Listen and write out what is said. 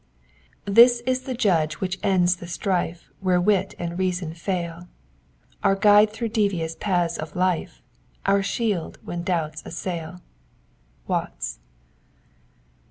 ''* This is the Judee which ends the strife Where wit and reason fall ; Our guide through devious paths of life, Our shield when doubts assail. .— Watts.